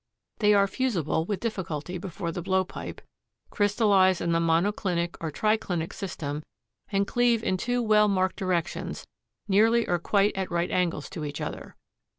They are fusible with difficulty before the blowpipe, crystallize in the monoclinic or triclinic system and cleave in two well marked directions nearly or quite at right angles to each other.